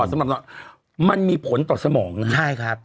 มันมีผลต่อสมองใช่ครับ